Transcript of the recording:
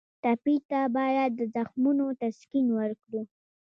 ټپي ته باید د زخمونو تسکین ورکړو.